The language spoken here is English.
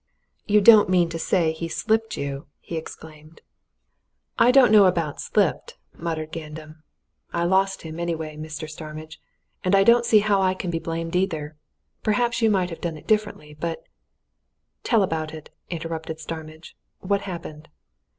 "You don't mean to say he slipped you!" he exclaimed. "I don't know about slipped," muttered Gandam. "I lost him, anyway, Mr. Starmidge, and I don't see how I can be blamed, either. Perhaps you might have done differently, but " "Tell about it!" interrupted Starmidge. "What happened?"